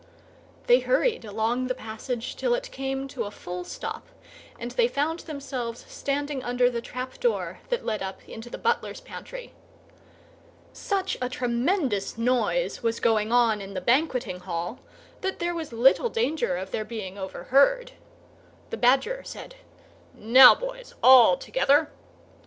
They hurried along the passage till it came to a full stop, and they found themselves standing under the trap door that led up into the butler's pantry. Such a tremendous noise was going on in the banqueting hall that there was little danger of their being overheard. The Badger said, "Now, boys, all together!"